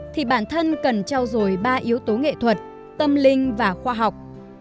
thì bản thân cần trao dồi ba yếu tố nghệ thuật tâm linh và khoa học